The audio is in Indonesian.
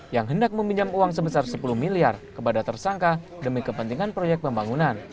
yang hendak meminjam uang sebesar sepuluh miliar kepada tersangka demi kepentingan proyek pembangunan